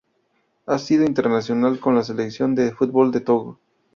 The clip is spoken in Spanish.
Ha sido internacional con la selección de fútbol de Togo.